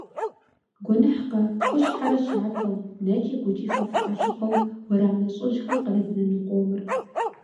Гуэныхькъэ хущхьэрэ щатэу, нэкӀи гукӀи фэ фыкъалъыхъуэу уэрам нэщӀыжьхэм къыдэднэну къомыр.